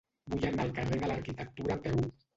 Vull anar al carrer de l'Arquitectura a peu.